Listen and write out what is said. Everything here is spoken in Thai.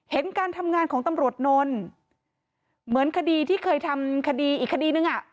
การทำงานของตำรวจนนท์เหมือนคดีที่เคยทำคดีอีกคดีนึงอ่ะ